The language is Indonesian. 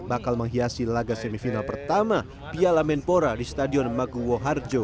bakal menghiasi laga semifinal pertama piala menpora di stadion maguwo harjo